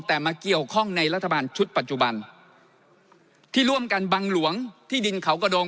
แต่มาเกี่ยวข้องในรัฐบาลชุดปัจจุบันที่ร่วมกันบังหลวงที่ดินเขากระดง